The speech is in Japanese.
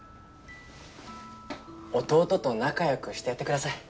弟と仲良くしてやってください。